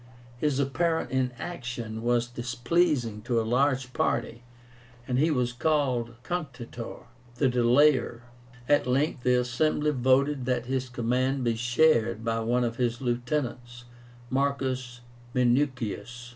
His apparent inaction was displeasing to a large party, and he was called Cunctator (the Delayer). At length the assembly voted that his command be shared by one of his lieutenants, Marcus Minucius.